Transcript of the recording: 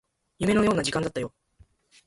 夢のような時間だったよ